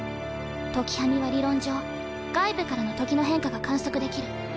時喰みは理論上外部からの時の変化が観測できる。